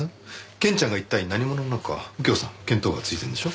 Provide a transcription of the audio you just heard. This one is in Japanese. ケンちゃんが一体何者なのか右京さん見当がついてるんでしょ？